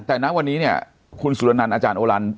แต่ณวันนี้เนี่ยคุณสุรนันต์อาจารย์โอลัน